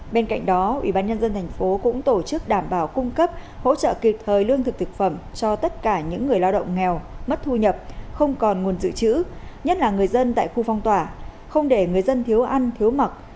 bên cạnh đó ubnd tp cũng tổ chức đảm bảo cung cấp hỗ trợ kịp thời lương thực thực phẩm cho tất cả những người lao động nghèo mất thu nhập không còn nguồn dự trữ nhất là người dân tại khu phong tỏa không để người dân thiếu ăn thiếu mặc